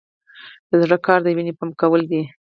د زړه کار د وینې پمپ کول دي